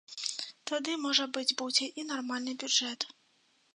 Тады, можа быць, будзе і нармальны бюджэт.